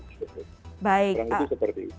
kurang lebih seperti itu